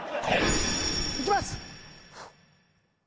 いきます。